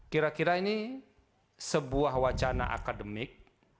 kira kira ini sebuah wacana akademik